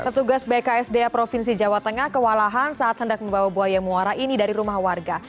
petugas bksda provinsi jawa tengah kewalahan saat hendak membawa buaya muara ini dari rumah warga